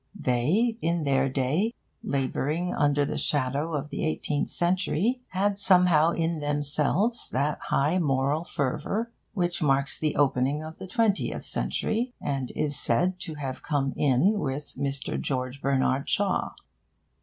They, in their day, labouring under the shadow of the eighteenth century, had somehow in themselves that high moral fervour which marks the opening of the twentieth century, and is said to have come in with Mr. George Bernard Shaw.